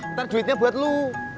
ntar duitnya buat lo